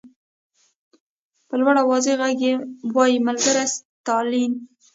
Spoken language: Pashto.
په لوړ او واضح غږ وایي ملګری ستالین.